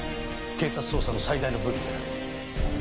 警察捜査の最大の武器である。